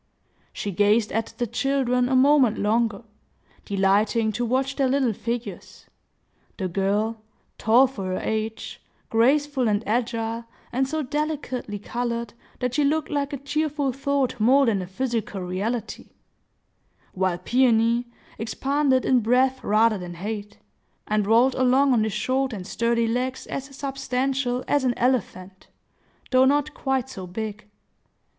She gazed at the children a moment longer, delighting to watch their little figures,—the girl, tall for her age, graceful and agile, and so delicately colored that she looked like a cheerful thought more than a physical reality; while Peony expanded in breadth rather than height, and rolled along on his short and sturdy legs as substantial as an elephant, though not quite so big.